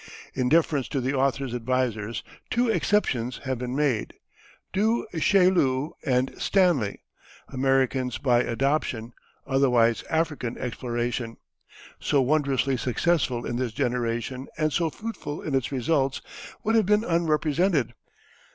In deference to the author's advisers, two exceptions have been made Du Chaillu and Stanley, Americans by adoption otherwise African exploration, so wondrously successful in this generation and so fruitful in its results, would have been unrepresented.